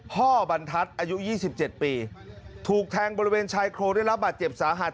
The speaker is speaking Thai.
บรรทัศน์อายุ๒๗ปีถูกแทงบริเวณชายโครงได้รับบาดเจ็บสาหัส